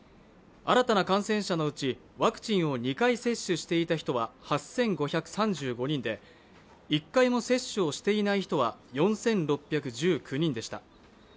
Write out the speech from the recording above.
新たな感染者のうちワクチンを２回接種していた人は８５３５人で１回も接種をしていない人は４６１９人でした。